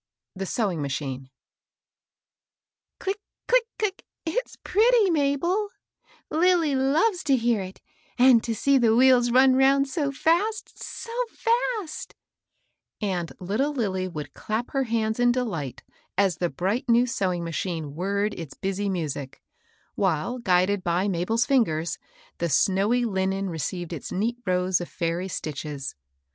THB BEWING HACHIirB. iJLICK, click, click 1 It'9 pretty, Mabel 1 Lilly loves to hear it, and to see the wheels run round so fast, — $0 fast I '* and little Lilly would clap her hands in delight as the bright new sewing machine whirred its busy music; while, guided by Mabel's fingers, the snowy linen received its neat rows of fairy stitches.